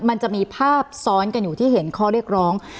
มันจะมีภาพซ้อนกันอยู่ที่เห็นข้อเรียกร้อง